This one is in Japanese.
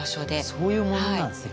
そういうものなんですね。